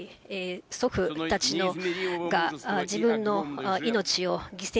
祖父たちが、自分の命を犠牲